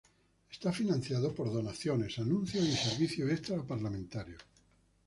Es financiado por donaciones, anuncios y servicios extras a parlamentarios.